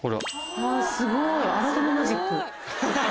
すごい。